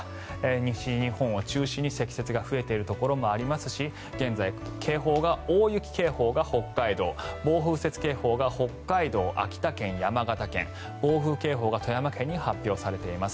西日本を中心に積雪が増えているところもありますし現在、警報が大雪警報が北海道暴風雪警報が北海道、秋田県、山形県暴風警報が富山県に発表されています。